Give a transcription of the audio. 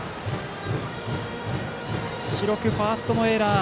記録はファーストのエラー。